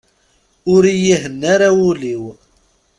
Ur iyi-ihenna ara wul-w.